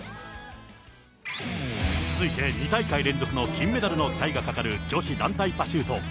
続いて２大会連続の金メダルの期待がかかる女子団体パシュート。